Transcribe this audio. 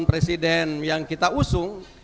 presiden yang kita usung